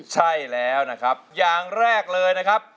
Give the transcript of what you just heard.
ใช่แล้วนะครับอย่างแรกเลยนะครับ